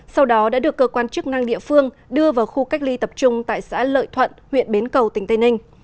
sau đó đã được cơ quan chức năng địa phương đưa vào khu cách ly tập trung tại xã lợi thuận huyện bến cầu tỉnh tây ninh